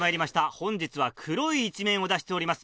本日は黒い一面を出しております